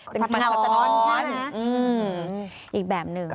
สัดหงาวสัดหอนใช่ไหมคะอืมอีกแบบหนึ่ง